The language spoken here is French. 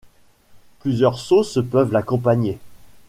Plusieurs sauces peuvent l'accompagner.